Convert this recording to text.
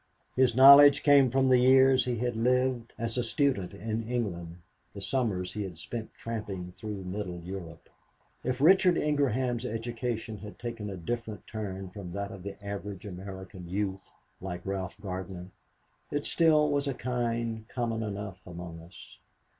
His knowledge came from the years he had lived as a student in England the summers he had spent tramping through Middle Europe. If Richard Ingraham's education had taken a different turn from that of the average American youth, like Ralph Gardner, it still was a kind common enough among us.